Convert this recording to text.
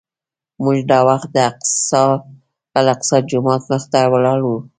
موږ دا وخت د الاقصی جومات مخې ته ولاړ وو.